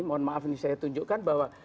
mohon maaf ini saya tunjukkan bahwa